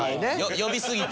呼びすぎて。